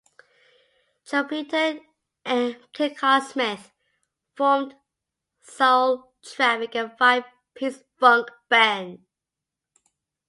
Trumpeter Kincaid Smith formed Soul Traffic, a five-piece funk band.